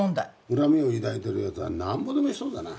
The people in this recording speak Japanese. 恨みを抱いてる奴はなんぼでもいそうだな。